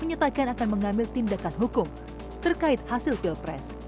menyatakan akan mengambil tindakan hukum terkait hasil kill press